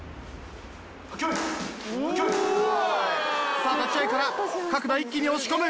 さあ立ち合いから角田一気に押し込む。